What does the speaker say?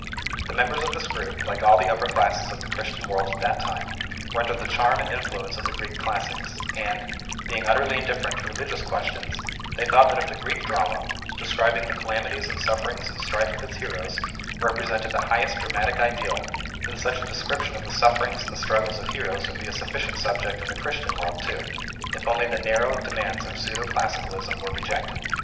The members of this group, like all the upper classes of the Christian world at that time, were under the charm and influence of the Greek classics, and, being utterly indifferent to religious questions, they thought that if the Greek drama, describing the calamities and sufferings and strife of its heroes, represented the highest dramatic ideal, then such a description of the sufferings and the struggles of heroes would be a sufficient subject in the Christian world, too, if only the narrow demands of pseudo classicalism were rejected.